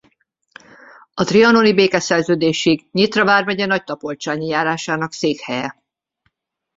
A trianoni békeszerződésig Nyitra vármegye Nagytapolcsányi járásának székhelye.